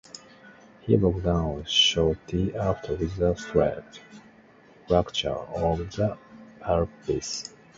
He broke down shortly after with a stress fracture of the pelvis.